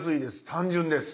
単純です。